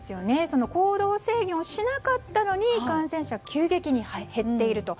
その行動制限をしなかったのに感染者が急激に減っていると。